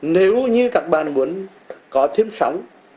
nếu như các bạn muốn có thêm sóng